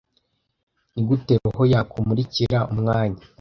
Nigute roho yakumurikira umwanya